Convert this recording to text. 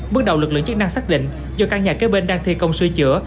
bước đầu lực lượng chức năng xác định do căn nhà kế bên đang thi công sửa chữa